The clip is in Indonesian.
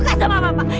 aku suka sama bapak